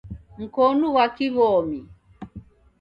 Mkonu ghwa kiw'omi